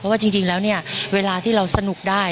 ว่าจริงแล้วเนี่ยเวลาที่เราสนุกได้